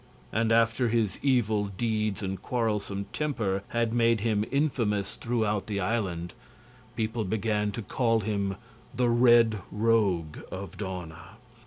And after his evil deeds and quarrelsome temper had made him infamous throughout the island, people began to call him the Red Rogue of Dawna.